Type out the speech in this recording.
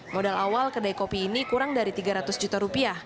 modal awal kedai kopi ini kurang dari tiga ratus juta rupiah